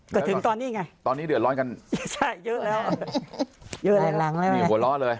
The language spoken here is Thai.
ก็ถึงตอนนี้ไงตอนนี้เดือดร้อนกันใช่เยอะแล้วเยอะหลายหลังแล้วนี่หัวเราะเลย